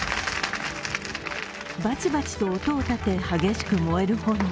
バチバチと音を立て激しく燃える炎。